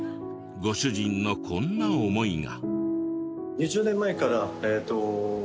ご主人のこんな思いが。